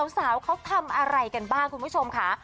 สาวเขาทำอะไรกันบ้างคุณผู้ชมค่ะ